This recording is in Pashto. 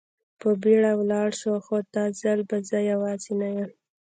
په بېړه ولاړ شو، خو دا ځل به زه یوازې نه یم.